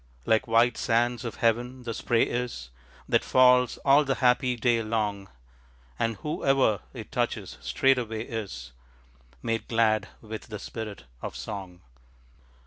Like white sands of heaven the spray is That falls all the happy day long, And whoever it touches straightway is Made glad with the spirit of song.